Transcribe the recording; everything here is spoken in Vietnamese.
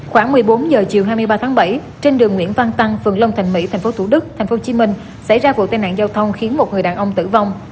khoảng một mươi bốn h chiều hai mươi ba tháng bảy trên đường nguyễn văn tăng vườn long thành mỹ thành phố thủ đức thành phố hồ chí minh xảy ra vụ tai nạn giao thông khiến một người đàn ông tử vong